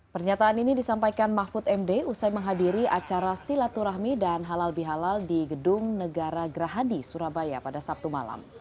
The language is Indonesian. pernyataan ini disampaikan mahfud md usai menghadiri acara silaturahmi dan halal bihalal di gedung negara gerahadi surabaya pada sabtu malam